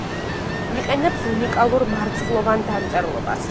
იყენებს უნიკალურ მარცვლოვან დამწერლობას.